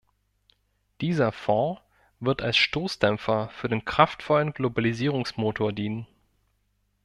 Dieser Fonds wird als Stoßdämpfer für den kraftvollen Globalisierungsmotor dienen.